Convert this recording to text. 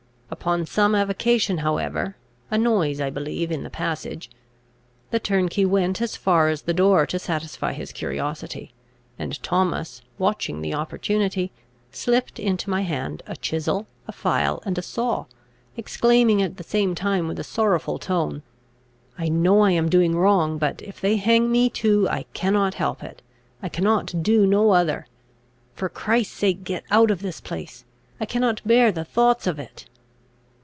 Upon some avocation however a noise, I believe, in the passage the turnkey went as far as the door to satisfy his curiosity; and Thomas, watching the opportunity, slipped into my hand a chisel, a file, and a saw, exclaiming at the same time with a sorrowful tone, "I know I am doing wrong; but, if they hang me too, I cannot help it; I cannot do no other. For Christ's sake, get out of this place; I cannot bear the thoughts of it!"